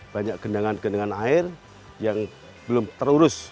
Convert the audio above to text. kemudian ada juga keamanan air yang belum terurus